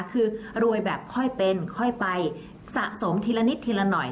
คือรวยแบบค่อยเป็นค่อยไปสะสมทีละนิดทีละหน่อย